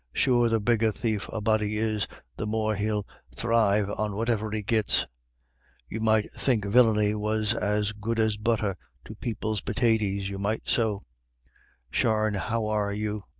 "Sure the bigger thief a body is, the more he'll thrive on whatever he gits; you might think villiny was as good as butter to people's pitaties, you might so. Sharne how are you?